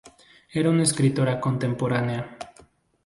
Era una escritora contemporánea.